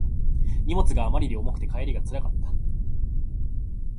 荷物があまりに重くて帰りがつらかった